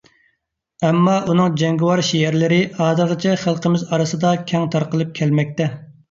ئەمما، ئۇنىڭ جەڭگىۋار شېئىرلىرى، ھازىرغىچە خەلقىمىز ئارىسىدا كەڭ تارقىلىپ كەلمەكتە.